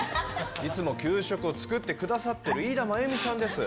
いつも給食を作ってくださってるイイダマユミさんです。